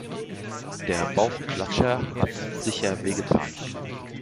Der Bauchklatscher hat sicher wehgetan.